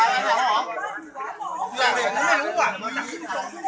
กลับมาเช็ดตาของมอง